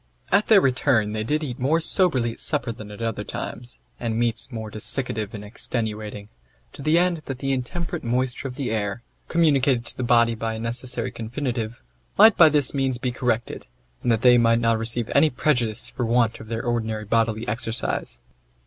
At their return they did eat more soberly at supper than at other times, and meats more desiccative and extenuating; to the end that the intemperate moisture of the air, communicated to the body by a necessary confinitive, might by this means be corrected, and that they might not receive any prejudice for want of their ordinary bodily exercise.